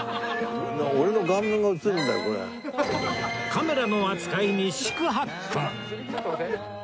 カメラの扱いに四苦八苦